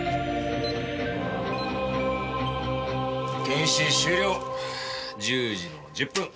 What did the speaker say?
検視終了１０時１０分。